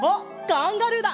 カンガルーだ！